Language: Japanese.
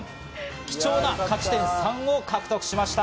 貴重な勝ち点３を獲得しました。